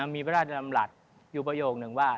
มีพระราชดำรัฐอยู่ประโยคนึงว่า